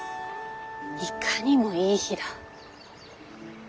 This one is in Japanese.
いかにもいい日だ。